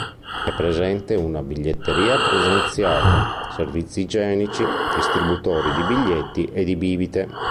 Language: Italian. È presente una biglietteria presenziata, servizi igienici, distributori di biglietti e di bibite.